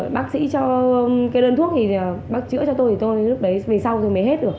bác sĩ cho kê đơn thuốc thì bác chữa cho tôi thì tôi lúc đấy về sau rồi mới hết được